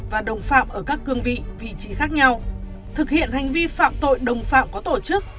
và đồng phạm ở các cương vị vị trí khác nhau thực hiện hành vi phạm tội đồng phạm có tổ chức